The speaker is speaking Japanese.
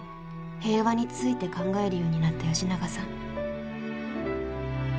平和について考えるようになった吉永さん。